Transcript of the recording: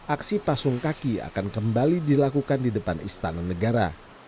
aksi pasung kaki akan kembali dilakukan di depan istana negara